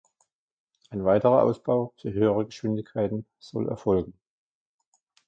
Ein weiterer Ausbau für höhere Geschwindigkeiten soll erfolgen.